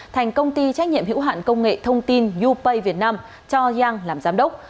thành công ty trách nhiệm hữu hạn công nghệ thông tin upay việt nam cho yanyang làm giám đốc